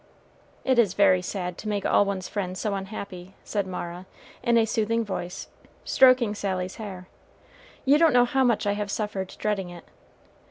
"It is very sad to make all one's friends so unhappy," said Mara, in a soothing voice, stroking Sally's hair. "You don't know how much I have suffered dreading it.